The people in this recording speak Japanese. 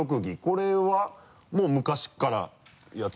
これはもう昔っからやってる？